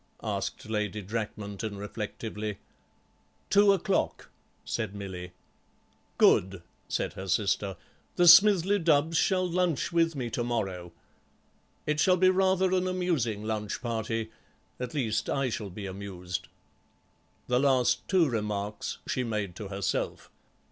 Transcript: asked Lady Drakmanton reflectively. "Two o'clock," said Milly. "Good," said her sister; "the Smithly Dubbs shall lunch with me to morrow. It shall be rather an amusing lunch party. At least, I shall be amused." The last two remarks she made to herself.